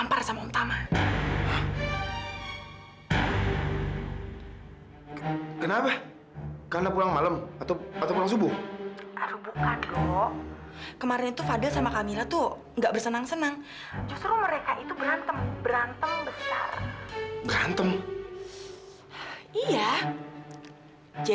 maaf kak mack harus kerja